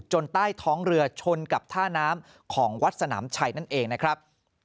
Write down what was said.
ใต้ท้องเรือชนกับท่าน้ำของวัดสนามชัยนั่นเองนะครับ